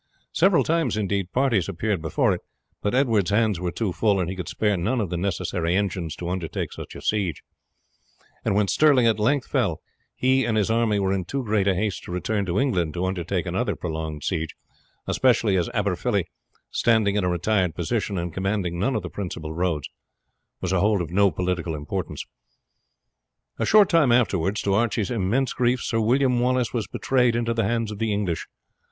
Several times, indeed, parties appeared before it, but Edward's hands were too full, and he could spare none of the necessary engines to undertake such a siege; and when Stirling at length fell he and his army were in too great haste to return to England to undertake another prolonged siege, especially as Aberfilly, standing in a retired position, and commanding none of the principal roads, was a hold of no political importance. A short time afterwards, to Archie's immense grief, Sir William Wallace was betrayed into the hands of the English.